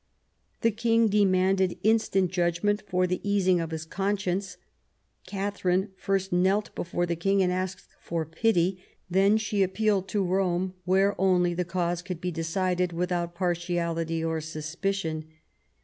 The king demanded instant judgment for the easing of his conscience; Katharine first knelt before the king and asked for pity, then she appealed to Kome, where only the cause could be decided without partiality or suspicion.